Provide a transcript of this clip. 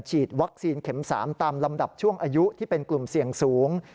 ฉีดวัคซีนเข็ม๓ตามลำดับช่วงอายุที่เป็นกลุ่มเสี่ยงสูง